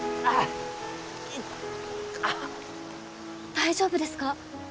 大丈夫ですか？